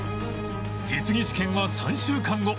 実技試験は３週間後